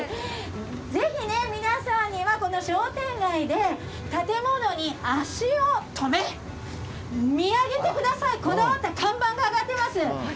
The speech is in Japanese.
ぜひ皆さんにはこの商店街で建物に足を止め見上げてください、このあと看板が上がってます。